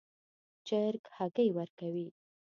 چرګ هګۍ ورکوي